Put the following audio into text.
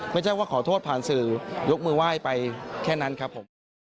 ไม่ใช่ว่าขอโทษผ่านสื่อยกมือไหว้ไปแค่นั้นครับผม